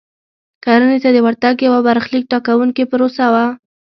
کرنې ته د ورتګ یوه برخلیک ټاکونکې پروسه وه.